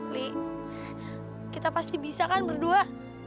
li kita pasti bisa kan berdua